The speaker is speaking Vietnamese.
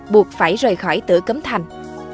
buộc phải rời khỏi tử cấm thành